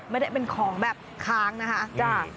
ไม่ได้เป็นของแบบค้างนะคะ